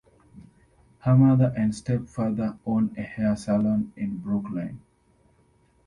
Her mother and stepfather own a hair salon in Brooklyn.